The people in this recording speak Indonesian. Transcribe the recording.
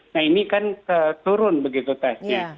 nah ini kan turun begitu tesnya